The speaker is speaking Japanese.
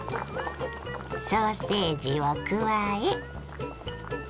ソーセージを加え。